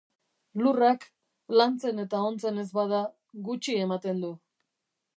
Lurrak, lantzen eta ontzen ez bada, gutxi ematen du.